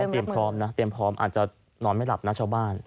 เตรียมพร้อมอาจจะนอนไม่หลับชาวบ้าน